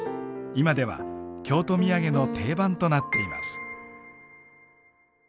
今では京都土産の定番となっています。